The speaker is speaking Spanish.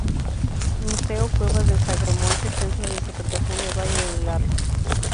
Museo Cuevas del sacromonte, Centro de Interpretación del Valle del Darro.